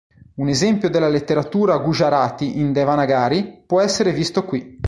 Un esempio della letteratura gujarati in Devanagari può essere visto qui.